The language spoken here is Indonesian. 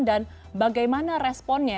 dan bagaimana responnya